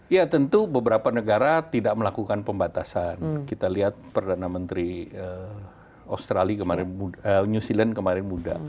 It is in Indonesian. ya tentu beberapa negara tidak melakukan pembatasan kita lihat perdana menteri new zealand kemarin muda